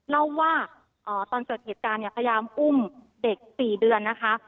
เล่าว่าตอนเกิดเหตุการณ์เนี่ยพยายามอุ้มเด็ก๔เดือนนะคะ